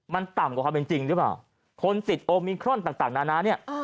มันต่ำกว่าความเป็นจริงหรือเปล่าคนติดโอมิครอนต่างนานาเนี่ย